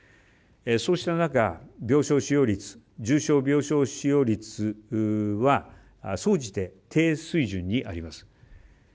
そうした中病床使用率重症病床使用率は総じて低水準にあります。